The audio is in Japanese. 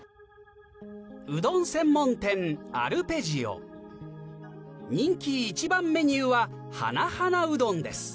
うどん専門店人気一番メニューは花花うどんです